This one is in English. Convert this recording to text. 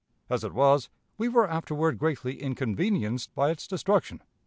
As it was, we were afterward greatly inconvenienced by its destruction."